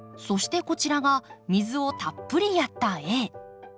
そしてこちらが水をたっぷりやったＡ。